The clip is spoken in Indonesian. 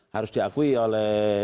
harus diakui oleh